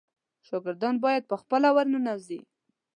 شاګردان باید په خپله ورننوزي.